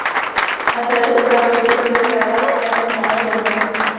Na této události odehrála také finále debla.